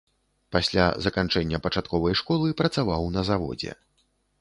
Пасля заканчэння пачатковай школы працаваў на заводзе.